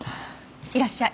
いらっしゃい。